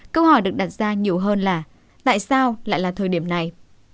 câu hỏi được đặt ra nhiều hơn là tại sao lại là thời điểm này